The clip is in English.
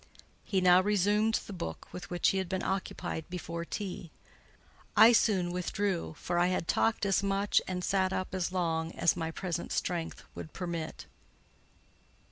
He now resumed the book with which he had been occupied before tea. I soon withdrew, for I had talked as much, and sat up as long, as my present strength would permit.